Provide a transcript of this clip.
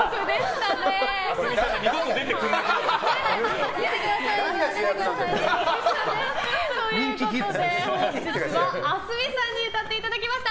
ａｓｍｉさんが二度と出てくれなくなるぞ。ということで本日はａｓｍｉさんに歌っていただきました。